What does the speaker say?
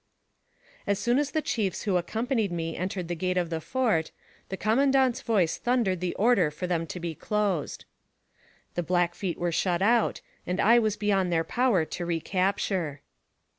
As soon as the chiefs who accompanied me entered the gate of the fort, the commandant's voice thundered the order for them to be closed. The Blackfeet were shut out, and I was beyond their power to recapture.